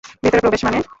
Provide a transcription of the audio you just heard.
ভেতরে প্রবেশ মানে?